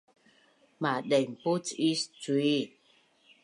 Madainpuc is cui